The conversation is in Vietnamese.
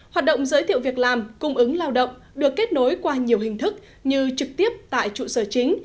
hoạt động giới thiệu việc làm cung ứng lao động được kết nối qua nhiều hình thức như trực tiếp tại trụ sở chính